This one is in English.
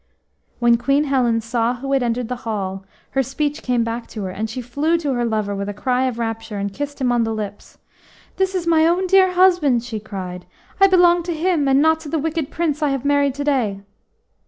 HEN Queen Helen saw who had entered the hall, her speech came back to her, and she flew to her lover with a cry of rapture and kissed him on the lips. "This is my own dear husband," she cried. "I belong to him, and not to the wicked Prince I have married to day."